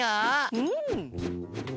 うん！